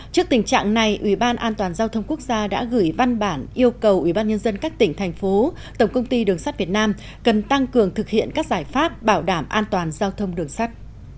trước tình trạng này ubndqc đã gửi văn bản yêu cầu ubnd các tỉnh thành phố tổng công ty đường sắt việt nam cần tăng cường thực hiện các giải pháp bảo đảm an toàn giao thông đường sắt